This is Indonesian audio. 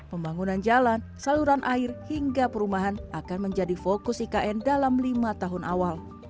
pembangunan jalan saluran air hingga perumahan akan menjadi fokus ikn dalam lima tahun awal